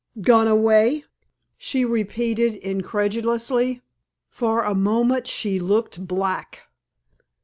"Gone away!" she repeated, incredulously. For a moment she looked black.